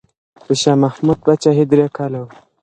د شاه محمود پاچاهي درې کاله وه.